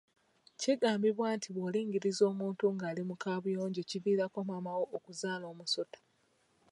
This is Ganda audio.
Kigambibwa nti bw’olingiriza omuntu ng’ali mu kaabuyonjo kiviirako maama wo okuzaala omusota.